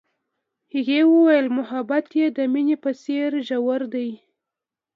هغې وویل محبت یې د مینه په څېر ژور دی.